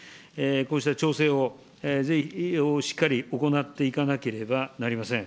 こうした調整をしっかり行っていかなければなりません。